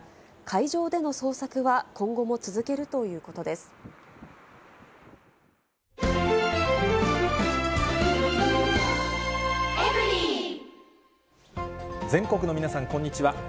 しかし、全国の皆さん、こんにちは。